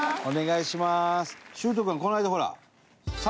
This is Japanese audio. お願いします。